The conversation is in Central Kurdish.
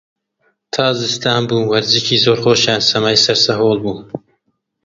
تا زستان بوو، وەرزشی زۆر خۆشیان سەمای سەر سەهۆڵ بوو